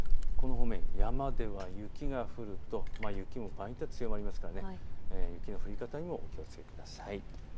山では雪が降る、雪も場合によっては強まりますから降り方にもお気をつけください。